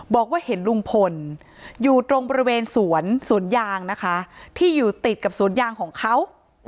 บอกว่าเห็นลุงพลอยู่ตรงบริเวณสวนสวนยางนะคะที่อยู่ติดกับสวนยางของเขา